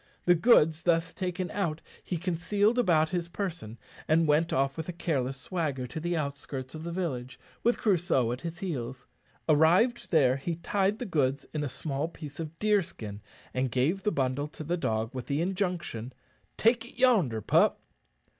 The goods thus taken out he concealed about his person, and went off with a careless swagger to the outskirts of the village, with Crusoe at his heels. Arrived there, he tied the goods in a small piece of deerskin, and gave the bundle to the dog, with the injunction, "Take it yonder, pup."